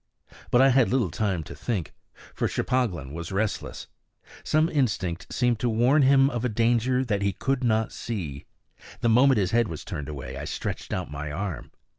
But I had little time to think, for Cheplahgan was restless. Some instinct seemed to warn him of a danger that he could not see. The moment his head was turned away, I stretched out my arm.